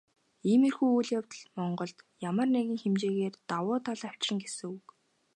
Иймэрхүү үйл явдал Монголд ямар нэгэн хэмжээгээр давуу тал авчирна гэсэн үг.